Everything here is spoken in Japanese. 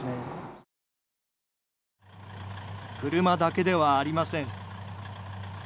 車だけではありません。